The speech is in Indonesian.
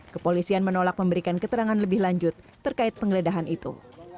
kepolisian menolak memberikan keterangan lebih lanjut terkait penggeledahan itu